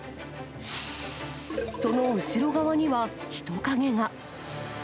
その後ろ側には、人影が。